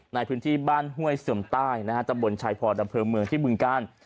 ไหนพื้นที่บ้านห้วยเสิมใต้นะฮะจะบนชายพอดับเพลงเมืองที่บึงก้าน